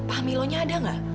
mbak pak milonya ada nggak